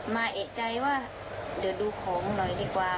เอกใจว่าเดี๋ยวดูของหน่อยดีกว่า